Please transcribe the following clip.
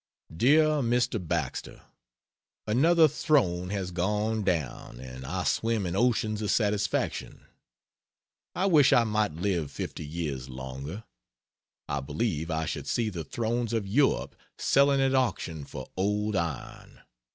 DEAR MR. BAXTER, Another throne has gone down, and I swim in oceans of satisfaction. I wish I might live fifty years longer; I believe I should see the thrones of Europe selling at auction for old iron.